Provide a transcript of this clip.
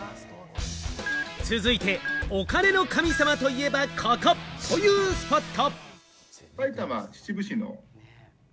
続いて、お金の神様といえばここ！というスポット。